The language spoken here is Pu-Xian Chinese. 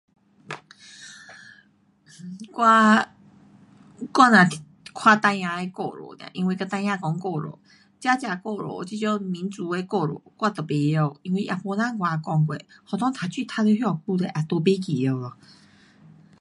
我，我只是看孩儿的故事 nia, 因为跟孩儿讲故事，真正的故事这种民族的故事我都甭晓，因为也没人跟我讲过。学堂读书读了这样久了也都不记了咯。